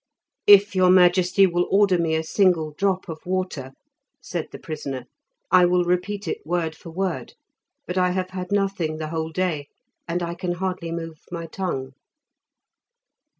"If your majesty will order me a single drop of water," said the prisoner, "I will repeat it word for word, but I have had nothing the whole day, and I can hardly move my tongue."